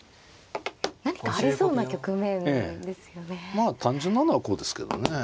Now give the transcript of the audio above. まあ単純なのはこうですけどね。